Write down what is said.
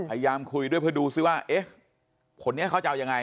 พยายามคุยด้วยเพื่อดูซิว่าเอ๊ะคนนี้เขาจะเอายังไง